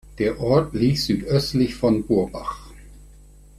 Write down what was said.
Der Ort liegt südöstlich von Burbach.